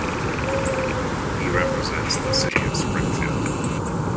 He represents the city of Springfield.